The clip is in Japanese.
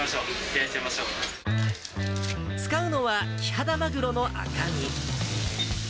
焼いちゃいま使うのはキハダマグロの赤身。